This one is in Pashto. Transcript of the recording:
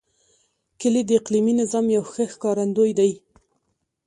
کلي د اقلیمي نظام یو ښه ښکارندوی دی.